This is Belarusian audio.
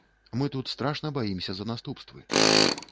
Мы тут страшна баімся за наступствы.